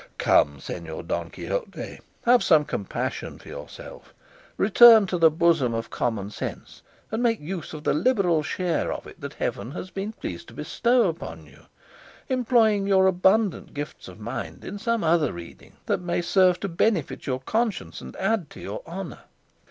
Come, Señor Don Quixote, have some compassion for yourself, return to the bosom of common sense, and make use of the liberal share of it that heaven has been pleased to bestow upon you, employing your abundant gifts of mind in some other reading that may serve to benefit your conscience and add to your honour.